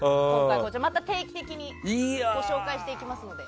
また定期的にご紹介していきますので。